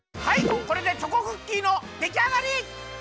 これでチョコクッキーのできあがり！